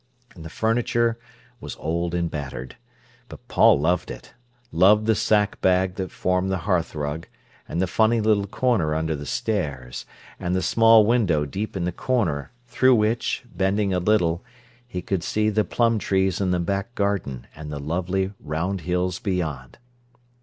And the furniture was old and battered. But Paul loved it—loved the sack bag that formed the hearthrug, and the funny little corner under the stairs, and the small window deep in the corner, through which, bending a little, he could see the plum trees in the back garden and the lovely round hills beyond.